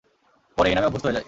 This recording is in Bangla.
পরে এই নামে অভ্যস্ত হয়ে যাই।